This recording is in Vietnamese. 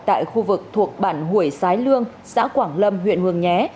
tại khu vực thuộc bản huỳnh sái lương xã quảng lâm huyện hường nhé